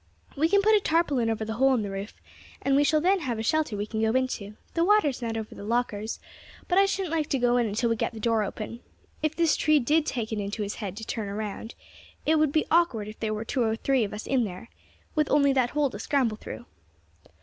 We can put a tarpaulin over the hole in the roof, and we shall then have a shelter we can go into; the water is not over the lockers, but I shouldn't like to go in until we get the door open. If this tree did take it into its head to turn round, it would be awkward if there were two or three of us in there, with only that hole to scramble through."